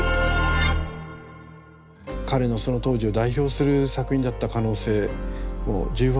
彼のその当時を代表する作品だった可能性も十分あると思うんですね。